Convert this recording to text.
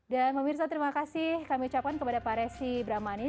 dan pemirsa terima kasih kami ucapkan kepada pak resi brahmani